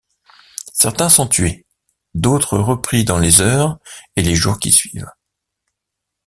Certains sont tués, d'autres repris dans les heures et les jours qui suivent.